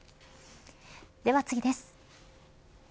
では次です。